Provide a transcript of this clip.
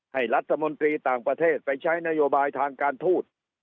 ให้รัฐมนตรีต่างประเทศไปใช้นโยบายทางการทูต